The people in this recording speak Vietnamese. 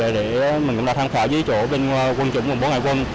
để mình cũng đã tham khảo dưới chỗ bên quân chủng và bộ ngại quân